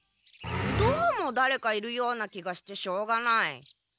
どうもだれかいるような気がしてしょうがない。